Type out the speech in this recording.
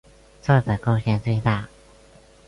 做的贡献最大。